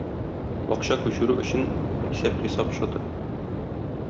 Акча күчерү өчен исәп-хисап счеты